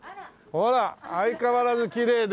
ほら相変わらずきれいで。